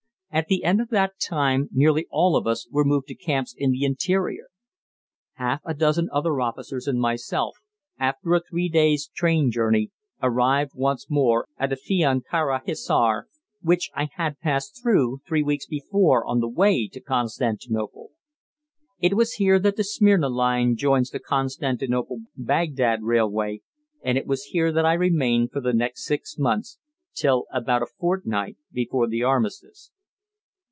At the end of that time nearly all of us were moved to camps in the interior. Half a dozen other officers and myself, after a three days' train journey, arrived once more at Afion Kara Hissar, which I had passed through three weeks before on the way up to Constantinople. It is here that the Smyrna line joins the Constantinople Bagdad railway, and it was here that I remained for the next six months, till about a fortnight before the Armistice.